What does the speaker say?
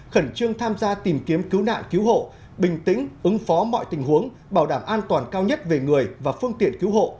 khẩn trương tham gia tìm kiếm cứu nạn cứu hộ bình tĩnh ứng phó mọi tình huống bảo đảm an toàn cao nhất về người và phương tiện cứu hộ